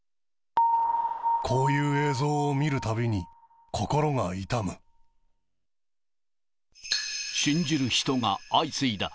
こういう映像を見るたびに、信じる人が相次いだ。